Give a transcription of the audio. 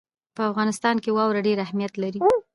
په افغانستان کې واوره ډېر اهمیت لري.